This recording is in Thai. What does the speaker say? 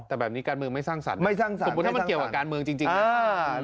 แต่แบบนี้การเมืองไม่สร้างสรรค์ไม่สร้างสรรค์ถ้ามันเกี่ยวกับการเมืองจริงจริง